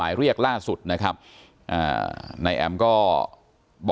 ไม่มีไม่มีไม่มีไม่มี